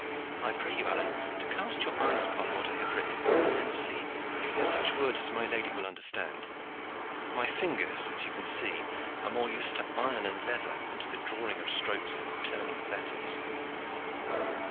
I pray you, Alleyne, to cast your eyes upon what I have written, and see it they are such words as my lady will understand. My fingers, as you can see, are more used to iron and leather than to the drawing of strokes and turning of letters.